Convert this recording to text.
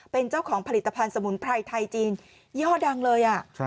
เป็นเจ้าของผลิตภัณฑ์สมุนไพรไทยจีนย่อดังเลย